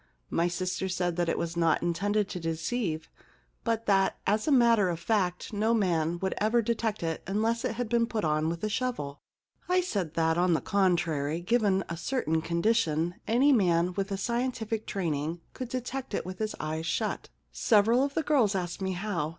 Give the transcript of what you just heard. My sister said that it was not intended to deceive, but that as a matter of fact no man would ever detect it unless it had been put on with a shovel. I said that, on the contrary, given a certain condition, any man with a scientific training could detect it with his eyes shut. * Several of the girls asked me how.